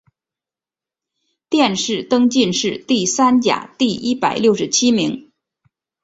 殿试登进士第三甲第一百六十七名。